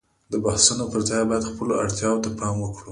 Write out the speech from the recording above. د بحثونو پر ځای باید خپلو اړتياوو ته پام وکړو.